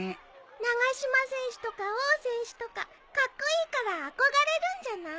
長嶋選手とか王選手とかカッコイイから憧れるんじゃない？